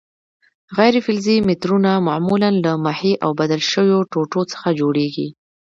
غیر فلزي مترونه معمولاً له محې او بدل شویو ټوټو څخه جوړیږي.